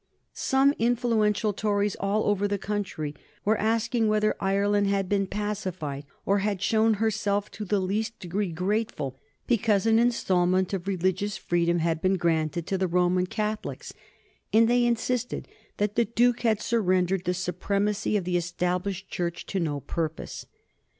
Some influential Tories all over the country were asking whether Ireland had been pacified or had shown herself in the least degree grateful because an instalment of religious freedom had been granted to the Roman Catholics, and they insisted that the Duke had surrendered the supremacy of the Established Church to no purpose.